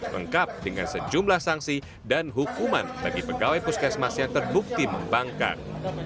lengkap dengan sejumlah sanksi dan hukuman bagi pegawai puskesmas yang terbukti membangkang